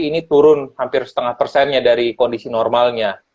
ini turun hampir setengah persennya dari kondisi normalnya